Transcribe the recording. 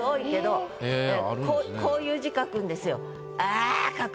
ああこういう字書くんですよ。